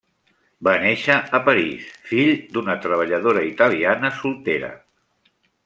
Va néixer a París, fill d'una treballadora italiana soltera.